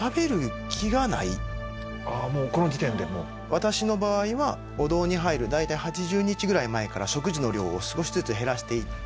私の場合はお堂に入る大体８０日ぐらい前から食事の量を少しずつ減らしていって。